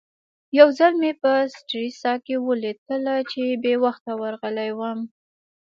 یو ځل مې په سټریسا کې ولید کله چې بې وخته ورغلی وم.